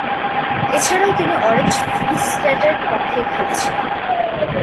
এছাড়াও তিনি Orange Free স্টেটের পক্ষে খেলেছিলেন তিনি।